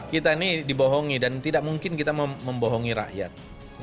kita ini dibohongi dan tidak mungkin kita membohongi rakyat